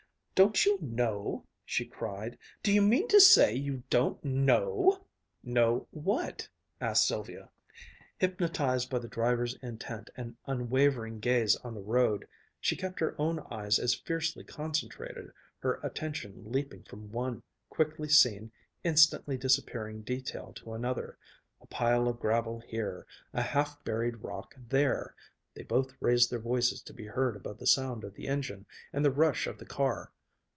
"Don't you know?" she cried. "Do you mean to say you don't know?" "Know what?" asked Sylvia. Hypnotized by the driver's intent and unwavering gaze on the road, she kept her own eyes as fiercely concentrated, her attention leaping from one quickly seen, instantly disappearing detail to another, a pile of gravel here, a half buried rock there. They both raised their voices to be heard above the sound of the engine and the rush of the car.